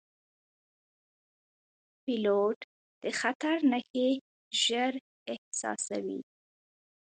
پیلوټ د خطر نښې ژر احساسوي.